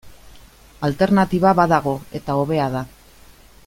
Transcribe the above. Alternatiba badago, eta hobea da.